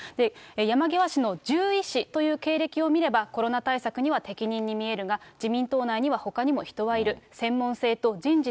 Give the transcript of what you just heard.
山際氏の獣医師という経歴を見れば、コロナ対策には適任に見えるが、自民党内にはほかにも人はいる。